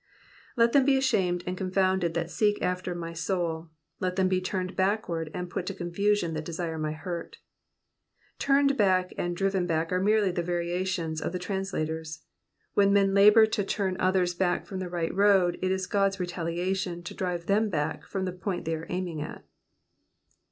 "Let them he ashamed and 19 Digitized by VjOOQIC 290 EXPOSITIONS OF THE PSALMS. confounded that seek after my sovl: let them he turned hachward^ and put to confusion, that desire my hurt :*^ turned back and driven back are merely the variations of the translators. When men labour to turn others back from the right road, it is God's retaliation to diive them back from the point they are aiming at.